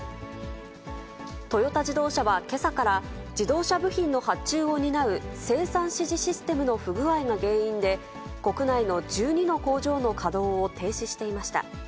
トヨタ自動車はけさから、自動車部品の発注を担う生産指示システムの不具合が原因で、国内の１２の工場の稼働を停止していました。